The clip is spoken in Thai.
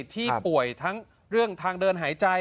ที่ป่วยทั้งเรื่องทางเดินหายใจ